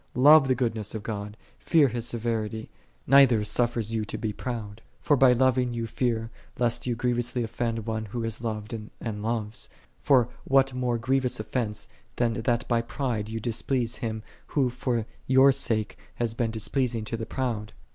"' Love thou the goodness of God; fear | thou His severity: neither suffers thee to be i proud. For by loving you fear, lest you | grievously offend One Who is loved and j loves. For what more grievous offense, than that by pride thou displease Him, Who for thy ' sake hath been displeasing to the proud